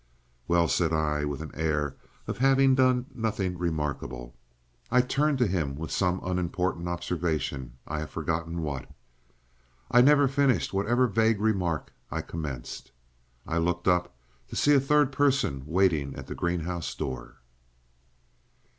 "Well," said I, with an air of having done nothing remarkable. I turned to him with some unimportant observation—I have forgotten what. I never finished whatever vague remark I commenced. I looked up to see a third person waiting at the greenhouse door.